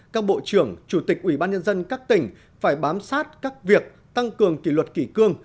các bộ trưởng chủ tịch ủy ban nhân dân các tỉnh phải bám sát các việc tăng cường kỷ luật kỷ cương